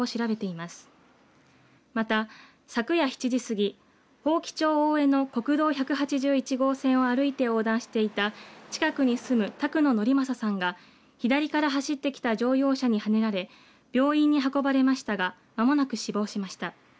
また昨夜７時過ぎ伯耆町大江の国道１８１号線を歩いて横断していた近くに住む宅野憲正さんが左から走ってきた乗用車にはねられ病院に運ばれましたが間もなく死亡しました。